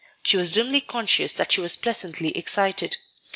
She was dimly conscious that she was pleasantly excited.